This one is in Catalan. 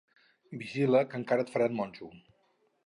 Vigila, que encara et faran monjo.